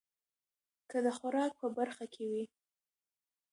که د خوراک په برخه کې وي